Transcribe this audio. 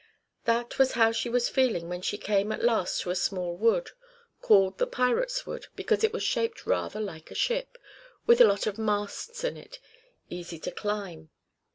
That was how she was feeling when she came at last to a small wood, called the Pirate's Wood because it was shaped rather like a ship, with a lot of masts in it, easy to climb.